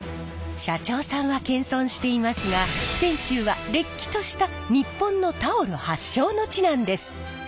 社長さんは謙遜していますが泉州はれっきとした日本のタオル発祥の地なんです。